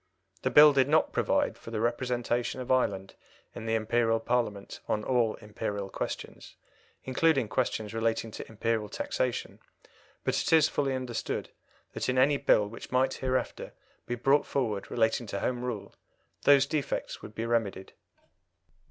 The Bill did not provide for the representation of Ireland in the Imperial Parliament on all Imperial questions, including questions relating to Imperial taxation, but it is fully understood that in any Bill which might hereafter be brought forward relating to Home Rule those defects would be remedied.